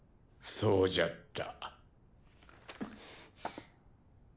そうじゃった。